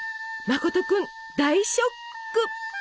まこと君大ショック！